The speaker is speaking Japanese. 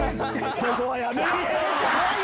そこはやめろよ！」。